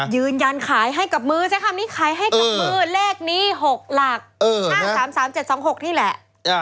ยืนยันขายให้กับมือใช้คำนี้ขายให้กับมือเลขนี้๖หลัก๕๓๓๗๒๖นี่แหละ